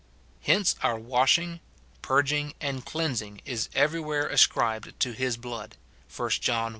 Hence our washing, purging, and cleansing is everywhere ascribed to his blood, 1 John i.